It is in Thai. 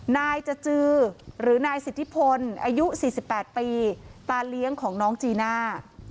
นายจจือหรือนายสิทธิพลอายุ๔๘ปีตาเลี้ยงของน้องจีน่า